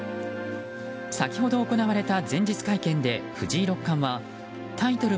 先ほど行われた前日会見で藤井六冠はタイトル